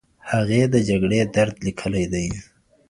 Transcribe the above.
هغې د جګړې درد لیکلی دی.